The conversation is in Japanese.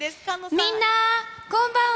みんな、こんばんは。